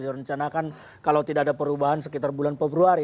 direncanakan kalau tidak ada perubahan sekitar bulan februari